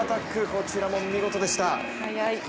こちらも見事でした。